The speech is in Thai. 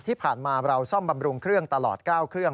ที่ผ่านมาเราซ่อมบำรุงเครื่องตลอด๙เครื่อง